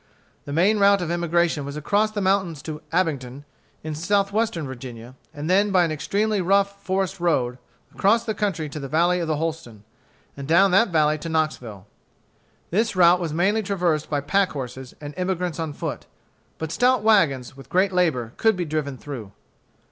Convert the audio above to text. The main route of emigration was across the mountains to Abingdon, in Southwestern Virginia, and then by an extremely rough forest road across the country to the valley of the Holston, and down that valley to Knoxville. This route was mainly traversed by pack horses and emigrants on foot. But stout wagons, with great labor, could be driven through.